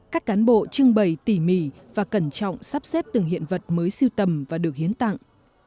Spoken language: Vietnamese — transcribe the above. các cán bộ trưng bày tỉ mỉ và cẩn trọng sắp xếp từng hiện vật mới siêu tầm và được hiến tặng